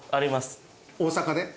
大阪で？